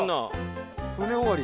舟終わり。